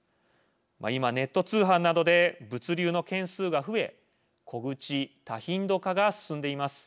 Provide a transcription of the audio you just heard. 今ネット通販などで物流の件数が増え小口多頻度化が進んでいます。